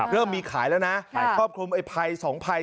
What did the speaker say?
เริ่มมีขายแล้วนะครอบคลุมไอ้ภัย๒ภัย